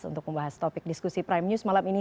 untuk membahas topik diskusi prime news malam ini